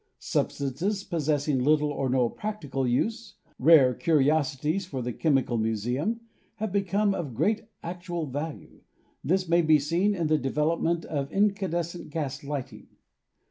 Substances possess ing little or no practical use, rare curiosities for the chemi cal museum, have become of great actual value. This may be seen in the development of incandescent gas lighting.